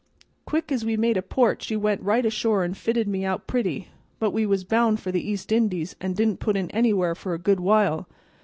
Quick as we made a port she went right ashore an' fitted me out pretty, but we was bound for the East Indies and didn't put in anywhere for a good while.